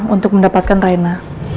untuk mendapatkan reina